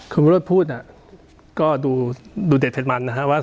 คุณวิโรธพูดก็ดูเด็ดเผ็ดมันนะฮะว่า